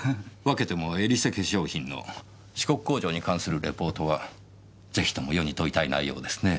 わけてもエリセ化粧品の四国工場に関するレポートはぜひとも世に問いたい内容ですね。